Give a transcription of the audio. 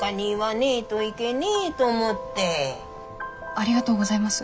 ありがとうございます。